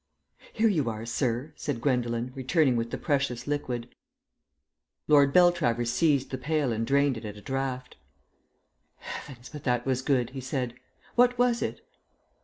"Here you are, sir," said Gwendolen, returning with the precious liquid. Lord Beltravers seized the pail and drained it at a draught. "Heavens, but that was good!" he said. "What was it?"